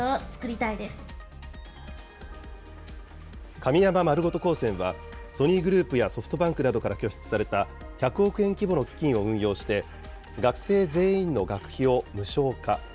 神山まるごと高専はソニーグループやソフトバンクなどから拠出された１００億円規模の基金を運用して学生全員の学費を無償化。